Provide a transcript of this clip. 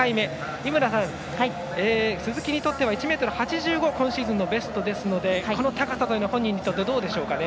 井村さん、鈴木にとっては１ｍ８５が今シーズンのベストなのでこの高さ本人にとってはどうでしょう。